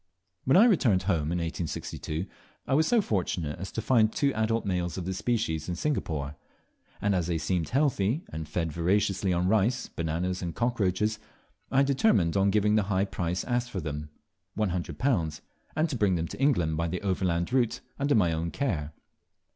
When I returned home, in 1862, I was so fortunate as to find two adult males of this species in Singapore; and as they seemed healthy, and fed voraciously on rice, bananas, and cockroaches, I determined on giving the very high price asked for them £100. and to bring them to England by the overland route under my own care.